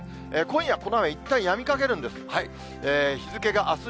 今夜、この雨、いったんやみかけるんです。